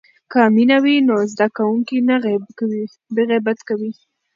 که مینه وي نو زده کوونکی نه غیبت کوي.